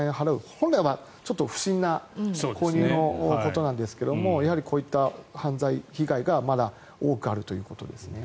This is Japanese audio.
本来は不審な購入のことなんですけどもやはりこういった犯罪被害がまだ多くあるということですね。